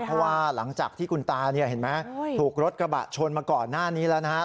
เพราะว่าหลังจากที่คุณตาเนี่ยเห็นไหมถูกรถกระบะชนมาก่อนหน้านี้แล้วนะฮะ